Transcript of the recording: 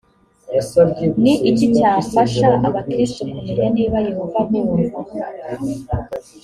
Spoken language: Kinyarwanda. ni iki cyafasha abakristo kumenya niba yehova abumva